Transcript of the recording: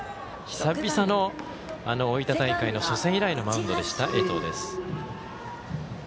久々の大分大会の初戦以来のマウンドでした、江藤です。